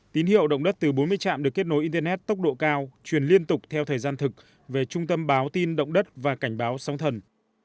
tín hiệu động đất từ bốn mươi trạm được kết nối internet tốc độ cao truyền liên tục theo thời gian thực về trung tâm báo tin động đất và cảnh báo sóng thần